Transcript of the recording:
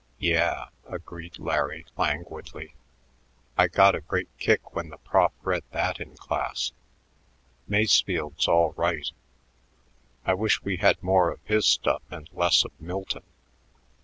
"Yeah," agreed Larry languidly; "I got a great kick when the prof read that in class. Masefield's all right. I wish we had more of his stuff and less of Milton.